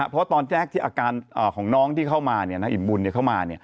เพราะตอนแรกที่อาการของน้องที่เข้ามานายอิ่มบุญเข้ามา